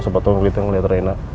sepatuh mobil itu yang ngeliatin rena